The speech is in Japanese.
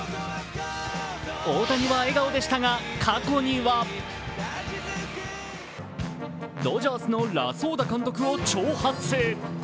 大谷は笑顔でしたが過去にはドジャースのラソーダ監督を挑発。